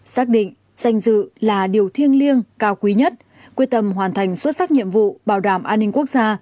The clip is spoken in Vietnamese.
xác định danh dự là điều thiêng liêng cao quý nhất quyết tâm hoàn thành xuất sắc nhiệm vụ bảo đảm an ninh quốc gia